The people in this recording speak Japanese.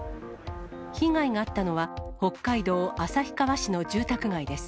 被害があったのは、北海道旭川市の住宅街です。